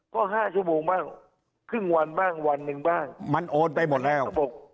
ก็๕ชั่วโมงบ้างครึ่งวันบ้างวันหนึ่งบ้างมันโอนไปหมดแล้ว